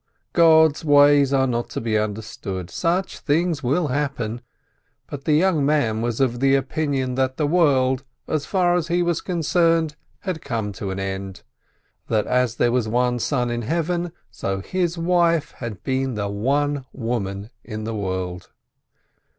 God's ways are not to be under stood. Such things will happen. But the young man was of the opinion that the world, in as far as he was concerned, had come to an end ; that, as there is one sun in heaven, so his wife had been the one woman in the world.